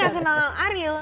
soalnya gak kenal ariel